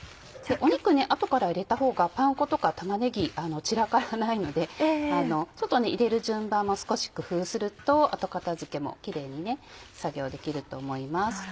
肉後から入れたほうがパン粉とか玉ねぎ散らからないのでちょっと入れる順番も少し工夫すると後片付けもキレイに作業できると思います。